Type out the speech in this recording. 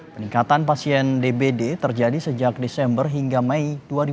peningkatan pasien dbd terjadi sejak desember hingga mei dua ribu dua puluh